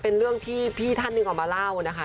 เป็นเรื่องที่พี่ท่านหนึ่งออกมาเล่านะคะ